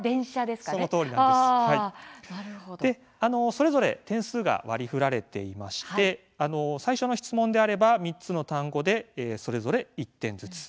それぞれ点数が割りふられていまして最初の質問であれば３つの単語でそれぞれ１点ずつ。